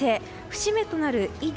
節目となる緯度